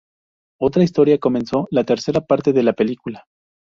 Otra historia comenzó: la tercera parte de la película.